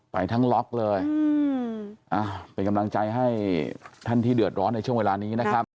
ไปทั้งล็อกเลยเป็นกำลังใจให้ท่านที่เดือดร้อนในช่วงเวลานี้นะครับ